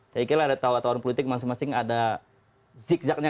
saya kira ada tawar tawar politik masing masing ada zig zagnya